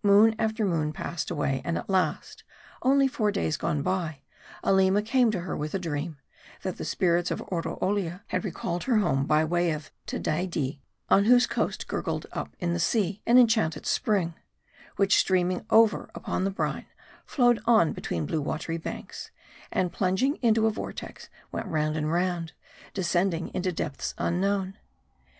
Moon after moon passed away, and at last, only four days gone by, Aleema came to her with a dream ; that the spirits in Oroolia had recalled her home by the way of Tedaidee, on whose coast gurgled up in the sea an en chanted spring ; which streaming over upon the brine, flowed on between blue watery banks ; and, plunging into a vortex, went round and round, descending into depths unknown.